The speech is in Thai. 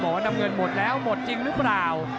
ว่าน้ำเงินหมดแล้วหมดจริงหรือเปล่า